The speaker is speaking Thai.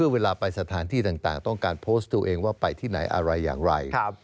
เวลาไปสถานที่ต่างต้องการโพสต์ตัวเองว่าไปที่ไหนอะไรอย่างไร